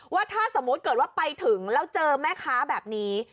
ว่าถ้าสมมุติเกิดว่าไปถึงแล้วเจอแม่ค้าแบบนี้